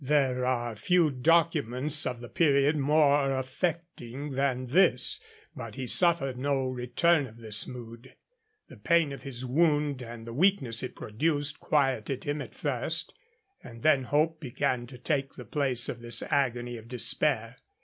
There are few documents of the period more affecting than this, but he suffered no return of this mood. The pain of his wound and the weakness it produced quieted him at first, and then hope began to take the place of this agony of despair.